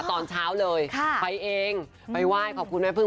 ตอนเช้าเลยไปเองไปไหว้ขอบคุณแม่พึ่ง